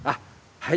はい。